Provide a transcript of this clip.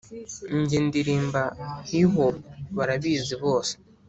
njye ndirimba hihop barabizi bose